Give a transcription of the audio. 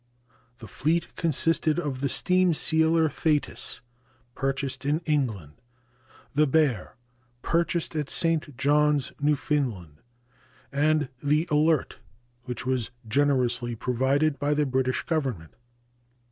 The fleet consisted of the steam sealer Thetis, purchased in England; the Bear, purchased at St. Johns, Newfoundland, and the Alert, which was generously provided by the British Government.